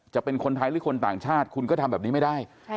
จะเป็นคนไทยหรือคนต่างชาติคุณก็ทำแบบนี้ไม่ได้